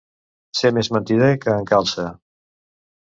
Ser més mentider que en Calça.